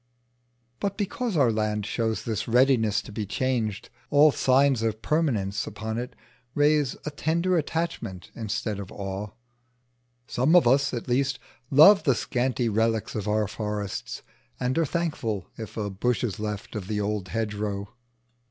But because our land shows this readiness to be changed, all signs of permanence upon it raise a tender attachment instead of awe: some of us, at least, love the scanty relics of our forests, and are thankful if a bush is left of the old hedgerow.